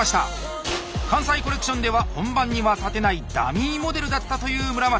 関西コレクションでは本番には立てない「ダミーモデル」だったという村松。